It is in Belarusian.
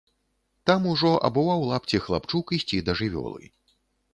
Там ужо абуваў лапці хлапчук ісці да жывёлы.